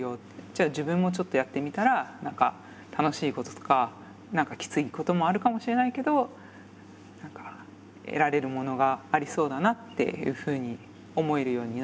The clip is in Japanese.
じゃあ自分もちょっとやってみたら何か楽しいこととか何かキツいこともあるかもしれないけど何か得られるものがありそうだなっていうふうに思えるようになってます。